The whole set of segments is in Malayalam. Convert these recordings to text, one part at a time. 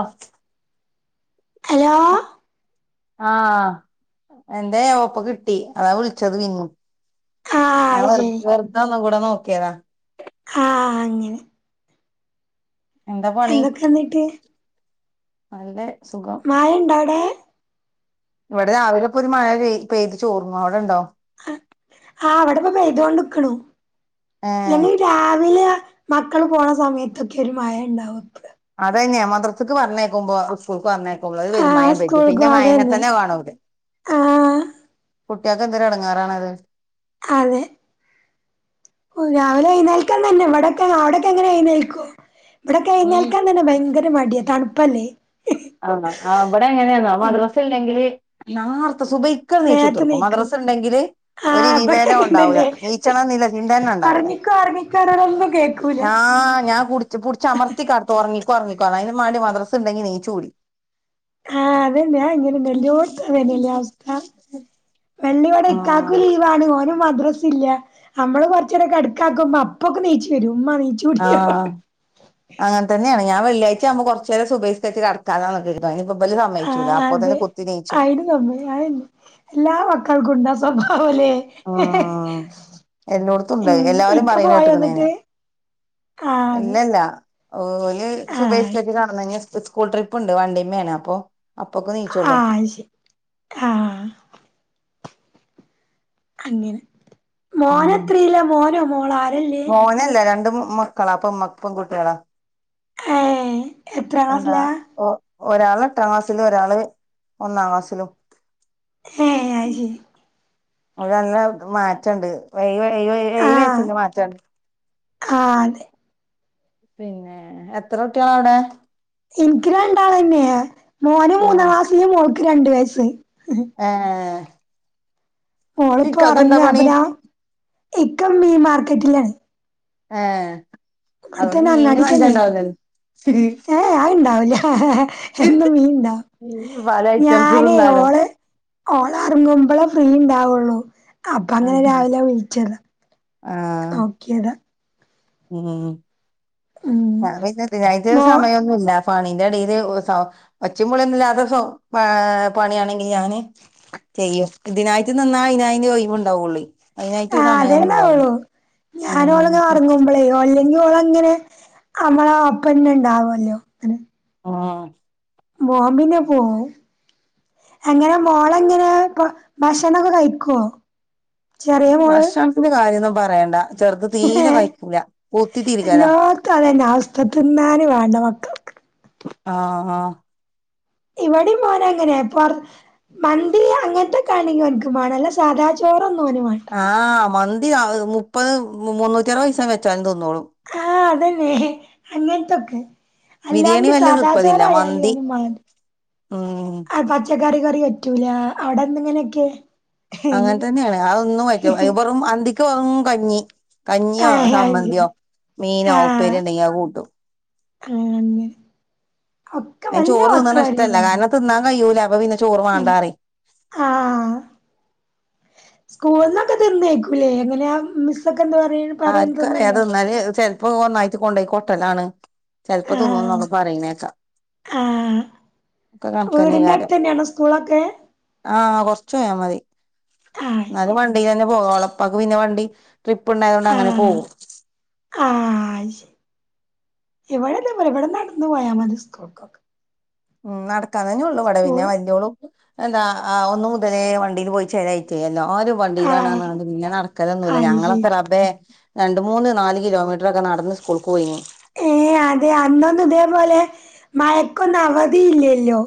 ആഹ് ഹലോ? ആഹ് എന്റെ [unintelligible] കിട്ടി അതാ വിളിച്ചത് പിന്നു ആഹ് ഞാൻ അത് വറ ശരി വെറുത ഒന്നും കൂടെ നോക്കിയതാ. ആഹ് അങ്ങനെ. എന്താ പണി എന്തൊക്കൊന്നീട്ട് നല്ല സുഖം മഴയുണ്ടോ അവിടെ ഇവിടെ രാവിലെ ഇപ്പോ ഒരു മഴ പെയ്തി തോർന്നു അവിടെ ഉണ്ടോ? ആഹ് ഇവിടെപ്പ പെയ്തൊണ്ട്ക്കണു ഏഹ് ഇല്ലെങ്ക രാവിലെ മക്കള് പോണ സമയത്തൊക്കെ ഒരു മഴ ഉണ്ടാവും അതന്നെയാ മദ്രസ്സക്ക് പറഞ്ഞേക്കുമ്പോ ആഹ് സ്കൂൾക്ക് അതന്നെ [unintelligible] ആഹ് കുട്ടികക്കെന്തൊരു എടങ്ങാറാണത്. അതെ. ഓ രാവിലെ എഴുന്നേൽക്കാൻ തന്നെ ഇവിട അവിടക്ക എങ്ങനെ ഏഴുന്നേൽക്കോ ഇവിടൊക്കെ ഉം എഴുന്നേൽക്കാൻ തന്നെ ഭയങ്കര മടിയ തണുപ്പല്ലേ ആണോ ഇവിടെ ങ്ങനെയേന്നോ ഉം മദ്രസയില്ലെങ്കില് നേരത്തേ സ നേരത്തെ നീച്ചുത്തർക്കും എണീക്കും മദ്രസ ഉണ്ടെങ്കില് ഒരു ആഹ് ഇവിടെ വിവേരം അങ്ങനെ തന്നെ ഉണ്ടാവില്ല നീച്ചണം എന്നില്ല ചിന്തന്ന ഉണ്ടാവില്ല. ഒറങ്ങിക്കോ [unintelligible] ആ് ഞാൻ പുടിച് പുടിച് അമർത്തിക്കടത്തും ഉറങ്ങിക്കൊ ഉറങ്ങിക്കോ റഞ്ക്കാണ്ട് അയിനും മാണ്ടി മദ്രസ് ണ്ടെങ്കി നീച്ചും ല്ല ആഹ് അതന്നെ അത് അങ്ങനെന്നെ എല്ലോട്ത്തും ഇതെന്നെ ല്ലേ അവസ്ഥ വെള്ളിയടെ ഇക്കാക്കു ആഹ് ല്ല ഓനും മദ്രല്ല നമ്മള് പച്ചെ അടക്കുമ്പ അപ്പൊക്കെ നച്ചു വരും ഉച്ച ആഹ് അങ്ങനെ തന്നെയാണ് ഞാൻ വെള്ളിയാഴ്ച ആകുമ്പോൾറച്ചു നേരം സുബെയി സ്ക്കരിച് കടക്കും കഥാന്നക്കെ ട്ട് അയിന് പ്പൊ ഇബല് സമ്മേയ്ചൂലാ അപ്പോത്തിന് കുത്തിനീച്ചും മ്മ അമ്പിളി [unintelligible] എല്ലാ മക്കൾക്കും ഉണ്ടാ സ്വഭാവലെ ഉം എല്ലോടത്തും ണ്ട് അത് എല്ലാവരും പോയോ പറയണേട്ട്ക്ക്ണ് ഞാന്. എന്നിട്ട് ആഹ് അതെ ഇല്ലല്ല ഓല് സുബൈ ആഹ് സ്ക്കരിച്ച് കടന്നയിഞ്ഞ സ്കൂൾ ട്രിപ്പ് ഉണ്ട് വണ്ടിമ്മേണ് അപ്പൊ അപ്പൊക്ക് നീച്ചോളും ആഹ് ശരി ആഹ് അങ്ങനെ പിന്നെ മോനെത്രീല മോനോ മോള ആരല്ലേ ഒന്നല്ല രണ്ട് മക്ക കളപ്പം മപ്പം കുട്ടികളാ കയിഞ്ഞ് എന്താ ഒരാള് എട്ടാം ക്ലാസ്സിലും ഒരാള് ഒന്നാം ക്ലാസ്സിലും ഏഹ് അയ്ശെരി ഒര് നല്ല മാറ്റണ്ട് വ ഏ ഴ് ഏഴ് ഏഴ് വയസ്സിന്റെ മാറ്റണ്ട് ക്കാതെ പിന്നെ എത്ര കുട്ടികള അവിടെ ഇൻക്ക് രണ്ടാളെന്നെ മോന് ഏഹ് മൂന്നാം ക്ലാസില് മോൾക്ക് രണ്ട് വയസ്സ് ആഹ് യേ ഓളിപ്പോ ഉറങ്ങ പണി അപ്പ ഞാ ഇക്ക മീ മാർക്കറ്റിലാണ് ആഹ് ഇബട്ത്തന്നെ അങ്ങാടിക്കെന്നെ ഏ ഏ അത്ണ്ടാവില്ല എന്നും മീൻണ്ടാവും പല ഐറ്റംസ് ഞാനേ തിന്നാലോ ഓള് ഓളറങ്ങുമ്പോളെ ഫ്രീണ്ടാവുള്ളു അപ്പൊ അങ്ങനെ ആഹ് രാവിലെ വിളിച്ചത ആഹ് നോക്കിയത ഉം ഉം [unintelligible] തിനായിട്ട് ഒര് മോ സമയൊന്നുല്ല പണീന്റെ ഇടയില് സൗ ഒച്ചിം ബുളിയൊന്നുയ്യാത്തെ സൗ ഏ പണിയാണെങ്കിൽ ഞാന് ചെയ്യും ഇതിനായിട്ട് ന്നറഞ്ഞ അയിന് അയിന് ഒയ്വ്ണ്ടാവൊള്ളോയ് അയിനായിട്ട് ആ അതേ സമയെവ്ട്ന്ന് ഉണ്ടാവുന്ന ഉണ്ടാവുള്ളൂ ഉം [unintelligible] അല്ലെങ്കിൽളങ്ങനെ നമ്മളെ ഒപ്പന്നെ ഉണ്ടാവല്ലോ അങ്ങനെ ആഹ് നോമ്പിനാ പോണ് എങ്ങനെ മോള എങ്ങനെ ഇ ഭക്ഷണൊക്കെ കഴിക്കോ ഭക്ഷണത്തിന്റെ കാര്യോന്നും പറയണ്ട ചെറുത് [unintelligible] ഏ തീരെ കഴിക്കൂല കുത്തിത്തിരിക്കല എല്ലോത്ത അതന്നെ അവസ്ഥ തിന്നാന് വേണ്ട മക്കൾക്ക് ആഹ് ആഹ് ഇവടിം മാണം അങ്ങനെ പ മന്തി അങ്ങൻത്തൊകണെങ്കി ഓൻ ക്ക് മാണം അല്ലെ സാധാ ചോ ചോറൊന്നോനുമാണ്ട ആഹ് മന്തി മുപ്പത് മുന്നൂറ്റിഅറപത് ദിവസം വെച്ചാലും തിന്നോളും ആഹ് അതന്നെ അങ്ങനത്തൊക്കെ ബിരിയാണി അല്ലാണ്ട് വല്യ സാദാചോറായല് ഓന്ക്ക് മാണ്ട ആഹ് പച്ച കറി കറി പറ്റൂല അവിടെ എന്തങ്ങനെയൊക്കെ അങ്ങനെ തന്നെയാണ് അതൊന്നും പറ്റ് ല വെറും അന്തിക്ക് വെറും കഞ്ഞി കഞ്ഞിയോ, ആഹ് അത് ശരി സമ്മന്തിയോ, മീനോ, ഉപ്പേരി ണ്ടെങ്കി ത് കൂട്ടും ക്കങ്ങന്ന് ഒക്കെ അതിന് വല്ല ചോറ് മക്കൾ തിന്നണ അരേ ഇഷ്ടല്ല പോലെന്ന കാരണം തിന്നാൻ കയ്യൂല അപ്പൊ പിന്നെ ചോറ് വാണ്ടാറിം ആഹ് സ്കൂളന്നൊക്കെ തീന്നേയ്ക്കൂല്ലേ എങ്ങനെ ആ മിസ് ഒക്കെ എന്താ പറയാണ് ആർക്കറിയാം അത് തിന്നല് ചെലപ്പോ ഒന്നായിട്ട് കൊണ്ടോയി കൊട്ടലാണ് ചിലപ്പോ തിന്നും ആഹ് ന്നൊക്കെ പറയുന്നെ കേക്കാം ആഹ് വീടിന്റെ കണക്കന്നേകാരം അടുത്തെന്നെയാണോ സ്കൂളൊക്കെ ആഹ് കൊറച്ച് പോയാ മതി ആഹ് എന്നാല് കൊഴ ശരി വണ്ടി തന്നെ പോകുള്ളൂ ഓളെ ഉപ്പാക്ക് പിന്നെ വണ്ടിട്രിപ്പ് ഉണ്ടായതു കൊണ്ട് അങ്ങനെ ആഹ് പോകും ആഹ് അയ്ശെരി എവിടെ നമ്മൾ ഇവിടെ നടന്ന് പോയാ മതി സ്കൂൾക്കൊക്കെ ഉം നടക്കാൻ തന്നെ ഉള്ളൂ ഇപാടേം പിന്നെ സ്കൂളും വല്യവളും എന്താ ആഹ് ഒന്നു മുതലേ വണ്ടിൽ പോയി ചേലായിട്ടേ എല്ലാരും വണ്ടിയിലാണ ആഹ് അത് പിന്നെ നടക്കലൊന്നുമില്ല അത് ശരി ഞങ്ങളെക്കെ റബ്ബേ രണ്ട് മൂന്ന് നാല് കിലോമീറ്ററൊക്കെ നടന്ന് സ്കൂൾക്ക് പോയിന് ഏഹ് അതെ അന്നൊന്നും ഇതേപോലെ മഴക്കൊന്നും അവധി ഇല്ലല്ലോ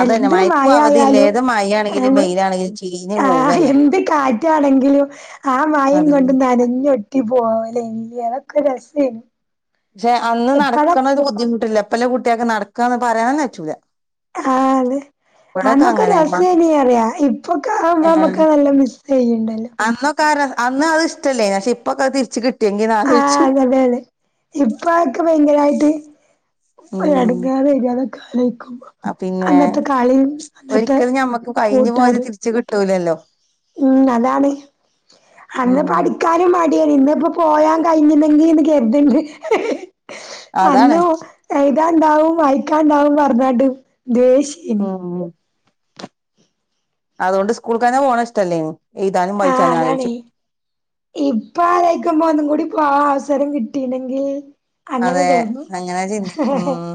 അതന്നെ എന്ത് മഴക്കും അവധിയില്ല മഴായാലും ഏത് മഴയാണെങ്കിലും അത് വെയിലാണെങ്കിലും ചീഞ്ഞ് ആഹ് പോകന്നെ എന്ത് കാറ്റാണെങ്കിലും ആ മയേം കൊണ്ട് അതന്നെ നനഞ്ഞൊട്ടി പോവലെനി ലേ അതൊക്കെ ഒരു രസേനി പക്ഷെ അന്ന് ഇപ്പഴൊക്കെ നടക്കണത് ബുദ്ധിമുട്ടില്ല ഇപ്പെല്ലാം കുട്ട്യാക്ക് നടക്കാന്ന് പറയാൻ പറ്റൂല ആഹ് അതെ ഇവിടൊക്കെ അന്നൊക്കെ അങ്ങനെ മ രസേനി പറിയാ ഇപ്പൊക്കെ ആമ്പോ അമ്മക്ക് നല്ല മിസ് ചെയ്യ്ണ്ടല്ലോ കാരണം അന്ന് അത് ഇഷ്ടല്ലേ പക്ഷെ ഇപ്പൊക്കെ അത് തിരിച്ച് കിട്ടിയെങ്കി ആലോചിച്ചു അതേല്ലെ ഇപ്പ അതൊക്കെ ഭയങ്കരായിട്ട് ഒരു എടങ്ങേറ് ഏനി അതൊക്കെ ആലോയിക്കുമ്പോ ആഹ് പിന്നെ അന്നത്തെ കളിയും അന്നത്തെ ഒരിക്കലും ഞമ്മക്ക് കഴിഞ്ഞ് പോയത് കൂട്ടാരും തിരിച്ച് കിട്ടൂലല്ലോ ഉം അതാണ് അന്ന് ഉം പടി കിടക്കാനും മടിയ ഇന്ന് ഇപ്പോ പോയാൻ കഴിഞ്ഞുന്നെങ്കി ന്ന് കരുതിണ്ട് അതാണ് അന്ന് എഴുതാണ്ടാവും വായിക്കാണ്ടാവും പറഞ്ഞട്ട് ദേഷ്യ ഉം അതോണ്ട് സ്കൂൾക്ക് തന്നെ പോണെ ഇഷ്ടല്ലേനു എയ്താനും വാ ആഹ് അതാണേ ഇപ്പം ആലോചിക്കുമ്പം ഒന്നും കൂടി പോവാൻ അവസരം കിട്ടീയിണെങ്കിൽ അങ്ങനെ അതെ തോന്നും അങ്ങനെ ചിന്തിക്കും ഉം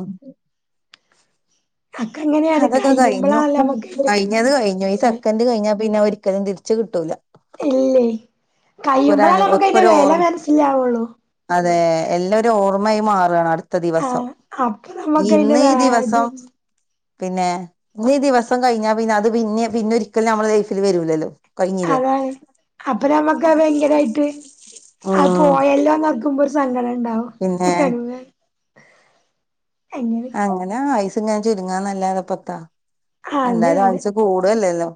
അക്കെ അങ്ങനെയാണ് അതൊക്കെ കഴിഞ്ഞു കഴിയുമ്പോളാണല്ലോ നമ്മുക്ക് അയിന്റെക്കെ കഴിഞ്ഞത് കഴിഞ്ഞു ഈ സെക്കന്ഡ് കഴിഞ്ഞാ പിന്നെ ഒരിക്കലും തിരിച്ച് കിട്ടൂല ഇല്ലേ ഒക്കൊരു കഴിയുമ്പോഴാ അനു നമുക്കതിന്റെ ഒക്കൊരു വെല ഓർമ്മ മനസ്സിലാവുള്ളൂ അതെ എല്ലാം ഒരു ഓർമ്മയായി മാറാണ് അടു ത്ത ആ ദിവസം അപ്പൊ നമ്മുക്ക് അതിന്റെ ഇന്ന് ഈ ഇത് ദിവസം പിന്നെ ഈ ദിവസം കഴിഞ്ഞാ പിന്നെ അത് പിന്നെ പിന്നെ ഒരിക്കലും നമ്മളെ ലൈഫിൽ വരൂലല്ലോ കഴിഞ്ഞില്ലേ അതാണ് അപ്പം നമ്മക്ക് അത് ഭയങ്കരമായിട്ട് അ ഉം പോയല്ലോന്നോർക്കുമ്പോ ഒരു സങ്കടം ഉണ്ടാവും പിന്നേ എങ്ങനെയാ അങ്ങനാ ആയുസ് ഇങ്ങനെ ചുരുങ്ങാന്നല്ലാതെ ഇപ്പെത്താ അതെ എന്തായാലും അതെ ആയുസ് കൂടല്ലല്ലോ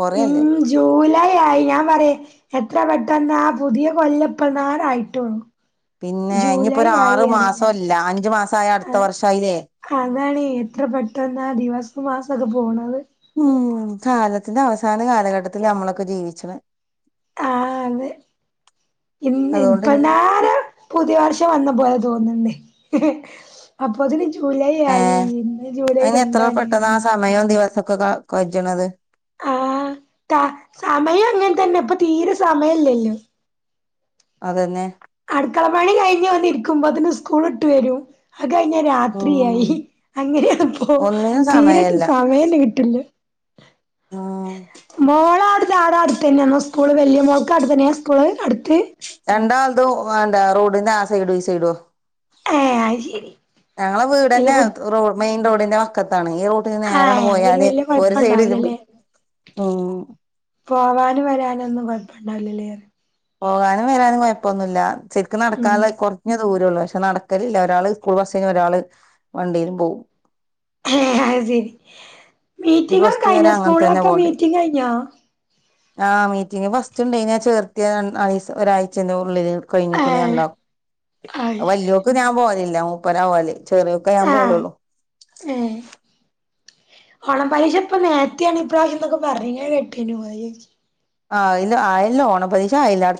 കൊറയല്ലേ ഉം ജൂലൈ ആയി ഞാൻ പറയാ എത്ര പെട്ടെന്നാ പുതിയ കൊല്ലപ്പങ്ങാന് ആയിട്ടുള്ളൂ പിന്നേ ഇനിയിപ്പോ ഒരു ആറു മാസം ഇല്ല അഞ്ചു മാസം ആയാ ആ അടുത്ത വർഷമായില്ലേ അതാണ് എത്ര പെട്ടെന്നാ ദിവസം മാസൊക്കെ പോണത് ഉം കാലത്തിന്റെ അവസാന കാലഘട്ടത്തിലാ നമ്മളൊക്കെ ജീവിച്ചണെ ആഹ് അതെ ഇന്ന് അതുകൊണ്ട് ഇപ്പ ഇനി നേരം പുതിയ വർഷം വന്ന പോലെ തോന്നുണ്ടേ അപ്പൊത്തിന് ജൂലൈ ആയി ഇന്നലെ ജൂലൈ രണ്ടാണ് ന്ന് പറയ്ണ്ട് മയോം ദിവസൊക്കെ കജ്ണത് ആഹ് സമയം അങ്ങനെ തന്നെ ഇപ്പൊ തീരെ സമയം ഇല്ലല്ലോ അതന്നെ അടുക്കള പണി കഴിഞ്ഞ് വന്നിരിക്കുമ്പോത്തിന് സ്കൂൾ വിട്ട് വരും അകഴിഞ്ഞ രാത്രിയായി ഉം അങ്ങനാണി പ്പോ ഒന്നിനും തീരട്ട് സമയല്ല സമയന്നേ കിട്ടിണ്ല്ല ഉം മോളാട് ട്ന്ന് ആടാട്ത് തന്ന്യ അന്ന് സ്കൂള് വല്ല്യ മോൾക്ക് അട ത്തന്നെയ സ്കൂള് അടുത്ത് രണ്ടാൾ തും എന്താ റോഡിന്റെ ആ സൈഡും ഈ സൈഡോ ഏഹ് അത് ശരി ഞങ്ങളെ വല്യ വീടന്നേ ബു റോ മെയിൻ റോഡിന്റെ വക്കത്താണ് ഈ റോ ത്ത് നേരണ്ട് ആഹ് അപ്പൊ പിന്നെ പോയാല് വല്യ ഒരു സൈഡ് ഇതു കൊഴപ്പണ്ടാവൂലല്ലേ ഉ പോവാനും വരാനൊന്നും കൊഴപ്പമണ്ടാവില്ലല്ലേ പോകാനും വരാനും കൊഴപ്പന്നുല്ല ശരിക്ക് ഉം നടക്കാള്ള കൊറ ഞ് ദൂര ഒള്ളൂ പക്ഷെ നടക്കലില്ല ഒരാള് സ്കൂൾ ബസ്സിനും ഒരാള് വണ്ടീലും പോകും അഹ് ശെരി പ്ലസ് മീറ്റിങ്ങൊക്ക ടു വരെ കഴിഞ്ഞോ അങ്ങനെ തന്നെ സ്കൂളിലൊക്കെ മീറ്റിംഗ കഴിഞ്ഞോ ആ മീറ്റിംഗ് ഫസ്റ്റ്ണ്ടേനി ആ ചേർത്തിയ രണ്ട് ഐസ് ഒരാഴ്ചന്റുള്ളില് കഴിഞ്ഞിക്ക്ണ് ഏഹ് രണ്ടാവും അയ് വല്ല്യോ ക്ക് ഞാൻ പോവലില്ല മൂപ്പര പോകല് ചെറിയൊക്കെ ഞാൻ പോവലൊള്ളൂ ഏ ഓണം പലിക്ഷ ഇപ്പം നേരത്തെയാണ് ഇപ്രാവശ്യം ന്നൊക്ക പറഞ്ഞത് കെട്ടീനു അയെ ചോയ്ച്ച് ആഹ് ന്ന് ആയല്ലോ ഓണ പരീശ ആയ എല്ലാട്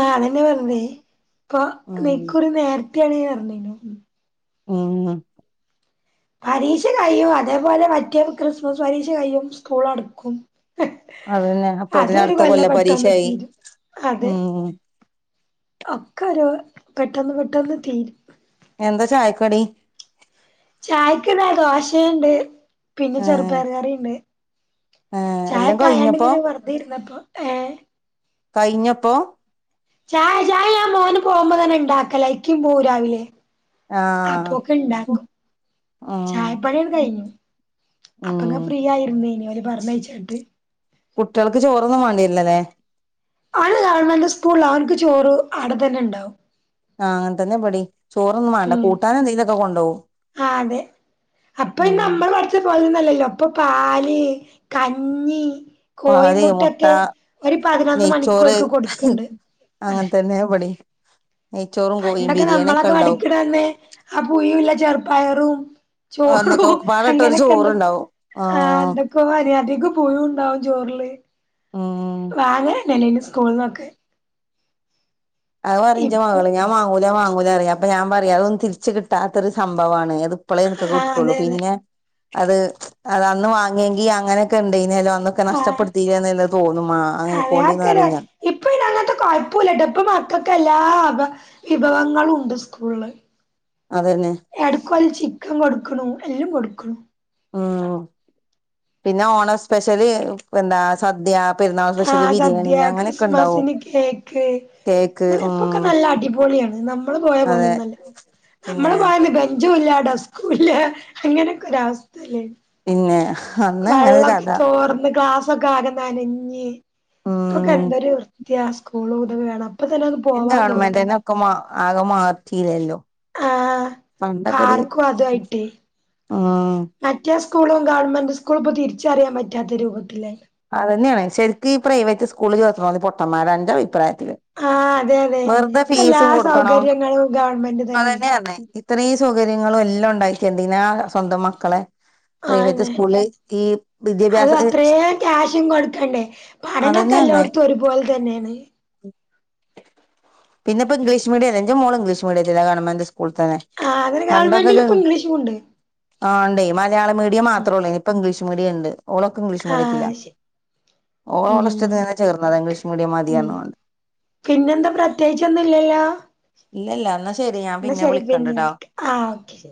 ആ അതെന്നേ പറഞ്ഞതേ ക്കൊ ഉം നിക്കുറി നേരത്തേണ് പറഞ്ഞീനു മ് പരീക്ഷ കയ്യും അതേപോലെ മറ്റേ ക്രിസ്മസ് പരീക്ഷ കയ്യും സ്കൂളടക്കും അതന്നെ അപ്പൊത്തിന് അതൊരു അടുത്ത കൊല്ല കൊല്ലം പെട്ടന്ന് പരീക്ഷയായി തീരും അതെ ഉം ഒക്കാരോ പെട്ടെന്ന് പെട്ടെന്ന് തീരും എന്താ ചായക്കടി ചായക്ക് താ ദോശയുണ്ട് പിന്നെ ഏഹ് ചെറുപയറ് കറീണ്ട് ഏഹ് എല്ലാം കഴിഞ്ഞപ്പോ ചായക്കായാണ്ട്ങ്ങനെ വെറുതെര്ന്നപ്പോ ഏ കയ്ഞ്ഞപ്പോ ചായ ചായ ആ മോന് പോകുമ്പോ തന്നെ ഇണ്ടാക്കല ഇക്കിം പോകും രാവിലെ ആഹ് അപ്പൊക്കെണ്ടാക്കും ആഹ് ചായ പണി അണ്ട് കയ്ഞ്ഞു അപ്പങ്ങ ഉം ഫ്രീ ആയിരുന്നേനി ഓലെ പറഞ്ഞഴച്ചിട്ട് കുട്വൾക്ക് ചോറൊന്നും വാണ്ടി വരില്ല ല്ലേ ഓന് ഗവൺമെന്റ് സ്കൂളില ഓൻക്ക് ചോറ് ആടെ തെന്നെണ്ടാവും ആ അങ്ങൻ തന്നെ ഇബടി ചോറൊന്നും മാണ്ട ഉം കൂട്ടാന് എന്തെങ്കിലൊക്കെ കൊണ്ടവും ആ അതെ അപ്പൊ ഇന്ന് നമ്മള് പഠിച്ച പോലന്നല്ലല്ലോ ഇപ്പൊ പാല് കഞ്ഞി പാല് മുട്ട കോയ്മുട്ടൊക്കെ ഒരു പതിനൊന്ന് മണിക്ക് ഓൽക്ക് കൊടുക്ക്ണ്ട് അങ്ങൻ അതെ തന്നേ ഇവടിം പണ്ടൊക്കെ നമ്മളൊക്കെ ഉണ്ടാവും പടിക്കണന്ന് ആ പുഴുള്ള ചെർപ്പയറും എന്നൊക്കെ ചോറും പാടട്ട ഒരു അങ്ങനെക്കെന്തൊ ചോറുണ്ടാവും ആ ആഹ് എന്ത ക്കു വരാതിക്കു പുഴു ഉണ്ടാകും ചോറില് ഉം വാങ്ങലന്ന ഇല്ലേനി സ്കൂൾ ന്നൊക്കെ അത് പറയും ഇജ്ജെ ഇപ്പൊ മകള് ഞാൻ വാങ്ങൂല വാങ്ങൂലറിയും അപ്പൊ ഞാൻ പറയും അതൊന്നും തിരിച്ച് കിട്ടാത്തൊരു സംഭവാണ് ഏത് ഇപ്പളേ നിനക്കൊക്കെ ആ കിട്ടൊള്ളൂ അതെ അതെ പിന്നെ അത് അത് അന്ന് വാങ്ങിയെങ്കിൽ അങ്ങനൊക്കെ ഇണ്ടെനിയല്ലോ അന്ന് ഒക്കെ ആ നഷ്ടപ്പെടുത്തിയിലേന്നേന്ന് തോന്നുമ്മ അതെ മാങ്ങികൊണ്ടി ആക്കരാ അറിയംഞാൻ ഇപ്പൊ ഇനി അങ്ങൻ ത്ത കുഴപ്പൂല്ലട്ടോ ഇപ്പ മക്കക്ക് എല്ലാ അഭ വിഭവങ്ങളും ഉണ്ട് സ്കൂള്ള് അതന്നെ എടക്ക് ഓല് ചിക്കൻ കൊടുക്ക്ണു എല്ലും കൊടുക്ക്ണു ഉം പിന്നെ ഓണം സ്പെഷ്യല് എന്താ സദ്യ പെരുന്നാൾ ആ സ്പെഷ്യല് ബിരിയാണി സദ്യ അങ്ങനെയൊക്കെ ഇണ്ടാവും ക്രിസ്മസിന് കേക്ക് കേക്ക് അങ്ങനെ ഉം എപ്പൊക്കെ നല്ല അടിപൊളിയാണ് നമ്മള് പോയ പോലെ അതെ ന്നല്ല പിന്നെ നമ്മള് പോയന്ന് ബേ ഞ്ചും ഇല്ല ഡസ്കും ഇല്ല അങ്ങനൊക്കെ ഒര അവസ്ഥല്ലേനി പിന്നെ അന്ന് അങ്ങനെ ഒരു വെള്ളൊക്കെ കഥ ചോർന്ന് ക്ലാസ് പ്പൊ ആകെ നനഞ്ഞ് പ്പൊക്കെ ഉം ന്തൊരു വൃത്തിയാ സ്കൂൾ വിടുന്ന കാണ എന്താണ് ഇമ്മാന്റെന്നെക്കെ ആകെ മാറ്റീല്ലല്ലോ ആഹ് പാർക്കും അതുംആയിട്ടെ ഉം മറ്റേ സ്കൂളും ഗവൺമെന്റ് സ്കൂളും ഇപ്പോ തിരിച്ചറിയാൻ പറ്റാത്ത രൂപത്തി അതന്നെയാണ് ശെരിക്കും ഈ പ്രൈവറ്റ് സ്കൂളിൽ ചേർത്തന്നോലു പൊട്ടന്മാരാണ് ൻ്റെ അഭിപ്രായത്തില് ആഹ് അതെ അതെ വേർതെ ഇപ്പ എല്ലാ ഫീസും കൊടുക്കണം സൗകര്യങ്ങളും ഗവൺമെന്റ് തന്നെണ്ട് അതന്നെയന്നെ ഇത്രയും സൗകര്യങ്ങളും എല്ലാം ഉണ്ടായിട്ടന്തിനാ സ്വന്തം മക്കളെ പ്രൈവറ്റ് ആന്നെ സ്കൂളില് ഈ അത് വിദ്യാഭ്യാസം അത്രയും ക്യാഷും കൊടുക്കണ്ടേ പഠനൊക്കെ അതന്നെ പറഞ്ഞേ എല്ലോടത്തും ഒരുപോലെ തന്നെണ് പിന്നെ പ്പോ ഇംഗ്ലീഷ് മീഡിയല്ലേ ൻ്റെ മോള് ഇംഗ്ലീഷ് മീഡിയത്തിലാ ഗവണ്മെൻ്റ് സ്കൂളിൽ തന്നെ ആ അതിനു ഗവൺമെന്റിൽ പണ്ടൊക്കെ ഇപ്പൊ ഇംഗ്ലീഷുണ്ട് ആണ്ടേ മലയാള മീഡിയം മാത്രോള്ളേനി ഇപ്പ ഇംഗ്ലീഷ് മീഡിയംണ്ട് ഓളൊക്കെ ഇംഗ്ലീഷ് മീഡിയത്തിലാ ആഹ് ശരി ഓള് ഉം ഓളെ ഇഷ്ടത്തിനെന്നെ ചേർന്നതാ ഇംഗ്ലീഷ് മീഡിയം ഉം മതിന്ന് പറഞ്ഞു പിന്നെന്താ പ്രത്യേകിച്ചൊന്നുല്ലല്ലോ ഇല്ലല്ല ന്നാ ശെരി ഞാൻ പിന്നെ വിളിക്കണ്ടട്ടോ ആ ഹ്ഓക്കെ